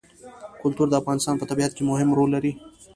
کلتور د افغانستان په طبیعت کې مهم رول لري.